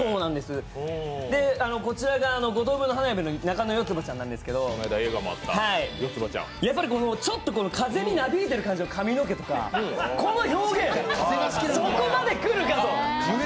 こちらが「五等分の花嫁」の中野四葉ちゃんなんですけど、ちょっと風になびいている感じの髪の毛とか、この表現、そこまでくるかと。